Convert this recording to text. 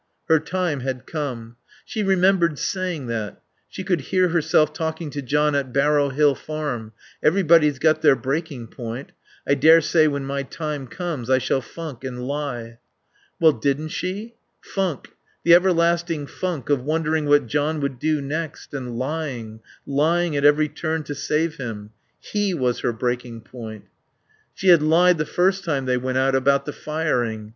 Her time had come. She remembered saying that. She could hear herself talking to John at Barrow Hill Farm: "Everybody's got their breaking point.... I daresay when my time comes I shall funk and lie." Well, didn't she? Funk the everlasting funk of wondering what John would do next; and lying, lying at every turn to save him. He was her breaking point. She had lied, the first time they went out, about the firing.